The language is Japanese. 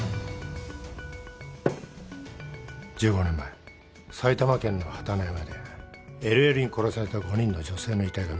１５年前埼玉県の榛野山でＬＬに殺された５人の女性の遺体が見つかった。